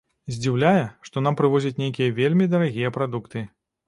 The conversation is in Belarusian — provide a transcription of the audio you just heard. Здзіўляе, што нам прывозяць нейкія вельмі дарагія прадукты.